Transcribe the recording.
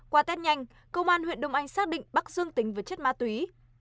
qua test nhanh công an huyện đông anh xác định bắc dương tính với chất ma túy